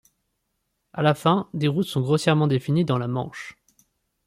À la fin des routes sont grossièrement définies dans la Manche.